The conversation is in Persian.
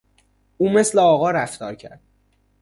او مثل آقا رفتار کرد.